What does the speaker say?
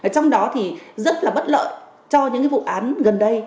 trong đó thì rất là bất lợi cho những vụ án gần đây